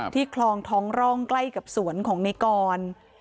คลองท้องร่องใกล้กับสวนของในกร